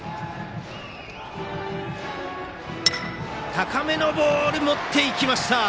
高めのボールを持っていきました。